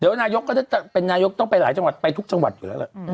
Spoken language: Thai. เดี๋ยวนายกก็จะเป็นนายกต้องไปทุกชังวัดอยู่แล้ว